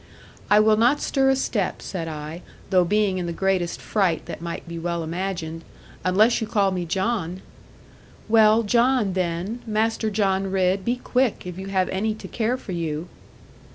'I will not stir a step,' said I, though being in the greatest fright that might be well imagined,' unless you call me "John."' 'Well, John, then Master John Ridd, be quick, if you have any to care for you.'